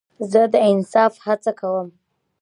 زه د انصاف هڅه کوم.